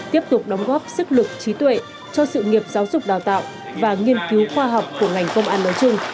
tiếp tục đóng góp sức lực trí tuệ cho sự nghiệp giáo dục đào tạo và nghiên cứu khoa học của ngành công an nói chung